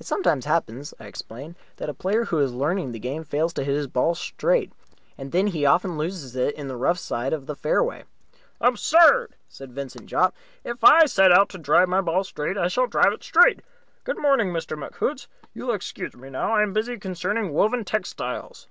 "It sometimes happens," I explained, "that a player who is learning the game fails to hit his ball straight, and then he often loses it in the rough at the side of the fairway." "Absurd!" said Vincent Jopp. "If I set out to drive my ball straight, I shall drive it straight. Good morning, Mr. McHoots. You will excuse me now. I am busy cornering Woven Textiles."